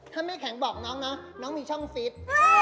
ถ้าแม่แข็งบอกน้องนะน้องมีช่องฟิต